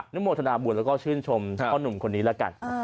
นึกโมทนาบุญแล้วก็ชื่นชมข้อนุ่มคนนี้ละกัน